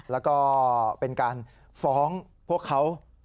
แล้วก็เป็นการฟ้องพวกเขา